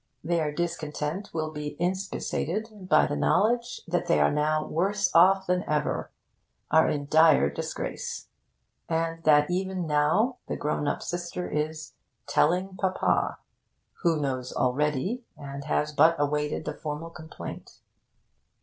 Their discontent will be inspissated by the knowledge that they are now worse off than ever are in dire disgrace, and that even now the grown up sister is 'telling Papa' (who knows already, and has but awaited the formal complaint).